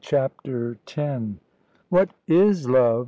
CHAPTER X "What is love?"